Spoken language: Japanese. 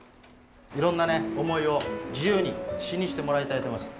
いろんなね思いを自由に詩にしてもらいたいと思います。